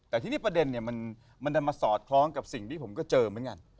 แต่ทีนี้ประเด็นเนี่ยมันจะมาสอดคล้องกับสิ่งที่ผมก็เจอเหมือนกัน